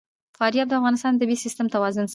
فاریاب د افغانستان د طبعي سیسټم توازن ساتي.